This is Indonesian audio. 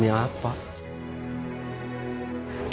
jangankan menafkahkan keluarga